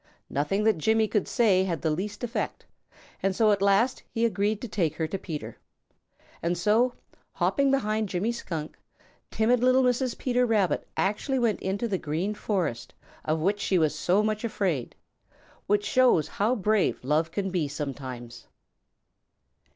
Nothing that Jimmy could say had the least effect, and so at last he agreed to take her to Peter. And so, hopping behind Jimmy Skunk, timid little Mrs. Peter Rabbit actually went into the Green Forest of which she was so much afraid, which shows how brave love can be sometimes.